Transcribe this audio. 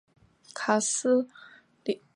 卡斯泰尼奥苏斯朗。